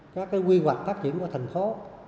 các cái quy hoạch phát triển của thành phố